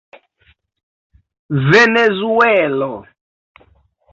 venezuelo